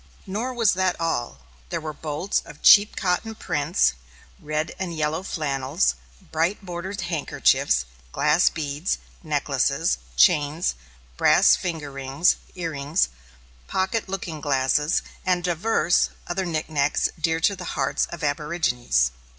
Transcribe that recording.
Nor was that all. There were bolts of cheap cotton prints, red and yellow flannels, bright bordered handkerchiefs, glass beads, necklaces, chains, brass finger rings, earrings, pocket looking glasses and divers other knickknacks dear to the hearts of aborigines.